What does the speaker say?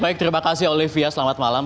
baik terima kasih olivia selamat malam